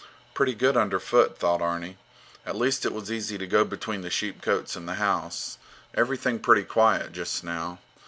Pretty good under foot, thought Arni. At least it was easy to go between the sheepcotes and the house. Everything pretty quiet just now.